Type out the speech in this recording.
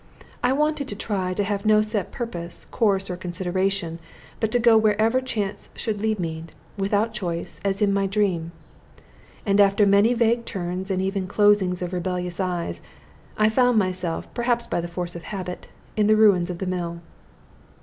I wanted to try to have no set purpose, course, or consideration, but to go wherever chance should lead me, without choice, as in my dream. And after many vague turns, and even closings of rebellious eyes, I found myself, perhaps by the force of habit, at the ruins of the mill.